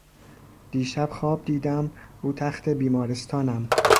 دیشب خواب دیدم رو تخت بیمارستانم